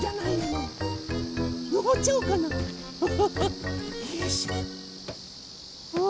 のぼっちゃおうかなフフフ。